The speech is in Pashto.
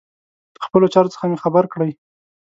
له خپلو چارو څخه مي خبر کړئ.